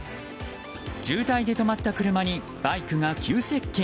渋滞で止まった車にバイクが急接近。